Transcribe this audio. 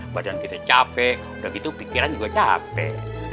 badan kita capek udah gitu pikiran juga capek